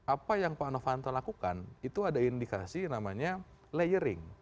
apa yang pak novanto lakukan itu ada indikasi namanya layering